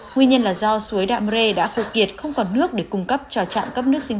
nguyên nhân là do suối đạ mơ rê đã phục kiệt không còn nước để cung cấp cho trạm cấp nước sinh